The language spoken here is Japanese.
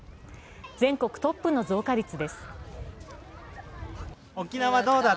全国トップの増加率です。